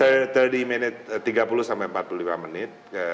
kemudian saya berusaha